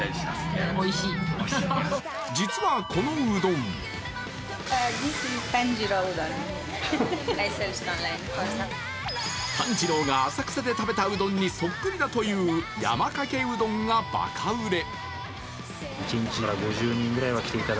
実はこのうどん炭治郎が浅草で食べたうどんにそっくりだという山かけうどんがばか売れ。